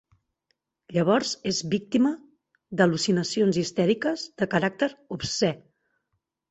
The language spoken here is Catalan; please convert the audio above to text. Llavors és víctima d'al·lucinacions histèriques, de caràcter obscè.